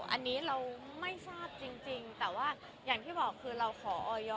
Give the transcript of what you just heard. อันนี้เราไม่ทราบจริงแต่ว่าอย่างที่บอกคือเราขอออย